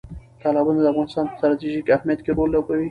تالابونه د افغانستان په ستراتیژیک اهمیت کې رول لوبوي.